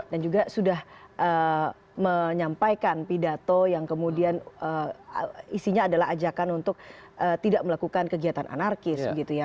dan juga sudah menyampaikan pidato yang kemudian isinya adalah ajakan untuk tidak melakukan kegiatan anarkis begitu ya